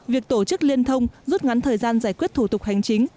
việc tổ chức liên thông rút ngắn thời gian giải quyết thủ tục hành chính